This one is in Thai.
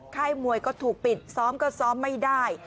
ค่ายมวยก็ถูกปิดซ้อมก็ซ้อมไม่ได้